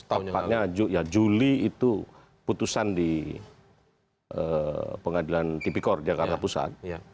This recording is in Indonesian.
tepatnya juli itu putusan di pengadilan tipikor jakarta pusat